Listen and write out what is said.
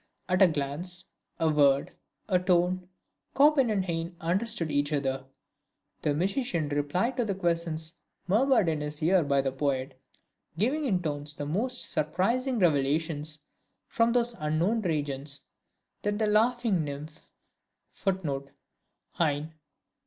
At a glance, a word, a tone, Chopin and Heine understood each other; the musician replied to the questions murmured in his ear by the poet, giving in tones the most surprising revelations from those unknown regions, about that "laughing nymph" [Footnote: Heine.